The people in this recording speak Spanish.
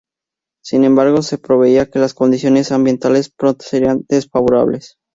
Sin embargo, se preveía que las condiciones ambientales pronto serían desfavorables.